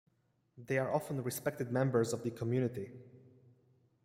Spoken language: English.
They are often respected members of the community.